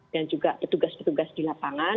dan juga petugas petugas di lapangan